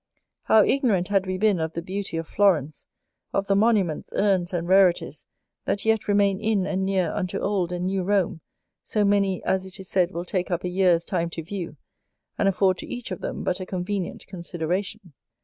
How ignorant had we been of the beauty of Florence, of the monuments, urns, and rarities that yet remain in and near unto old and new Rome, so many as it is said will take up a year's time to view, and afford to each of them but a convenient consideration!